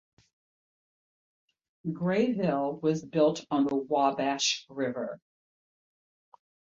Grayville was built on the Wabash River.